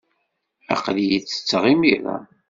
Aql-iyi ttetteɣ imir-a.